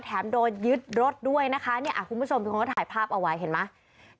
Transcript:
แถมโดนยึดรถด้วยนะคะเนี่ยคุณผู้ชมมีคนก็ถ่ายภาพเอาไว้เห็นไหม